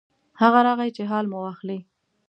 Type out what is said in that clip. هغه راغی چې حال مې واخلي.